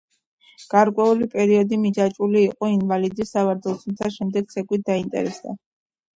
გარკვეული პერიოდი „მიჯაჭვული“ იყო ინვალიდის სავარძელს, თუმცა შემდეგ ცეკვით დაინტერესდა.